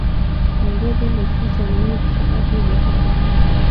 همدا د لاسي صنایع صنعت یو بهیر دی.